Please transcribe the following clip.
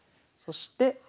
そして。